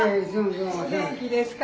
お元気ですか。